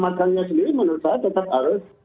makannya sendiri menurut saya tetap harus